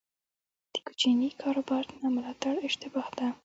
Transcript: د کوچني کاروبار نه ملاتړ اشتباه ده.